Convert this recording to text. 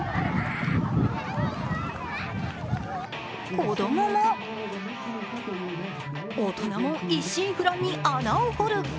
子供も大人も一心不乱に穴を掘る。